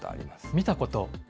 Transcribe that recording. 見たこと？